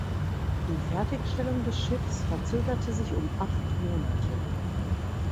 Die Fertigstellung des Schiffs verzögerte sich um acht Monate.